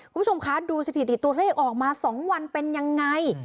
คุณผู้ชมคะดูสถิติตัวเลขออกมา๒วันเป็นยังไง